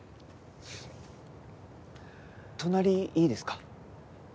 隣いいですか？